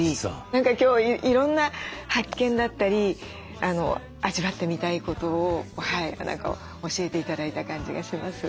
何か今日いろんな発見だったり味わってみたいことを何か教えて頂いた感じがします。